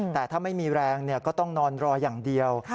แต่ถ้าไม่มีแรงก็ต้องนอนรออย่างเดียว